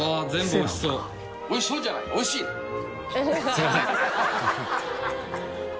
すみません。